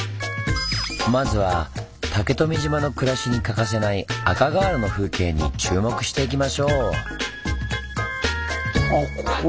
まずは竹富島の暮らしに欠かせない赤瓦の風景に注目していきましょう！